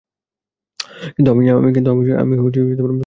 কিন্তু, আমি কোনও অভিযোগ করিনি!